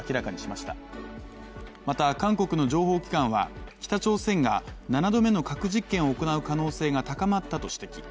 また、韓国の情報機関は北朝鮮が７度目の核実験を行う可能性が高まったと指摘。